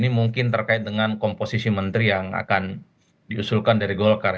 ini mungkin terkait dengan komposisi menteri yang akan diusulkan dari golkar